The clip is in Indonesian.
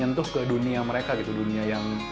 kemudian gajah bilang